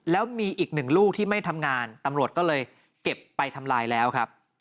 แล้วมีอีกหนึ่งลูกที่ไม่ทำงานตำรวจก็เลยเก็บไปทำลายแล้วครับ